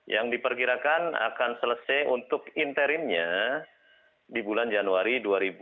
yang diperkirakan akan selesai untuk interimnya di bulan januari dua ribu dua puluh